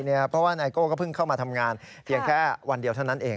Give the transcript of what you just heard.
เพราะว่าไนโก้ก็เพิ่งเข้ามาทำงานเพียงแค่วันเดียวเท่านั้นเอง